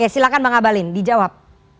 silahkan bang abalin dijawab